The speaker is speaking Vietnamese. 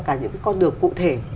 cả những con đường cụ thể